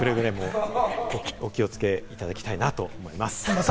くれぐれもお気を付けいただきたいと思います。